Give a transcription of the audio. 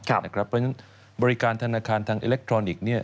เพราะฉะนั้นบริการธนาคารทางอิเล็กทรอนิกส์